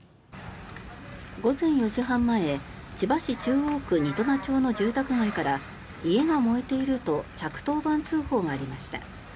午前４時半前千葉市中央区仁戸名町の住宅街から家が燃えていると１１０番通報がありました。